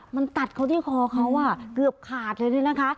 มันตัดเขาที่คอเขาเกือบขาดเลยด้วยนะคะ